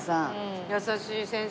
優しい先生。